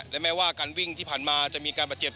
และแม้ว่าการวิ่งที่ผ่านมาจะมีการบาดเจ็บ